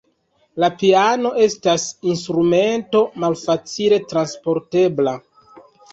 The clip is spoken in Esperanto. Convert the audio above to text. La piano estas instrumento malfacile transportebla.